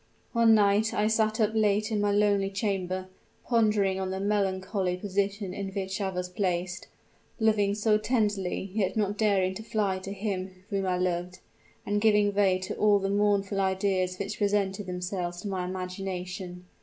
"One night I sat up late in my lonely chamber pondering on the melancholy position in which I was placed, loving so tenderly, yet not daring to fly to him whom I loved, and giving way to all the mournful ideas which presented themselves to my imagination.